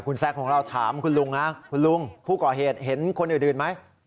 คนแซคของเราถามคุณลุงนะลุงพูดเคาะเหตุเห็นคนอื่นอนไหม